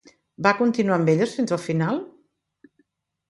Va continuar amb elles fins al final?